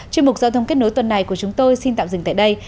chuyên mục giao thông kết nối tuần này của chúng tôi xin tạm dừng tại đây